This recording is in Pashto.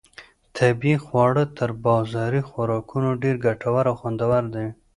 طبیعي خواړه تر بازاري خوراکونو ډېر ګټور او خوندور دي.